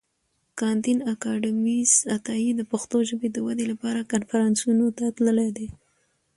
کانديد اکاډميسن عطایي د پښتو ژبي د ودي لپاره کنفرانسونو ته تللی دی.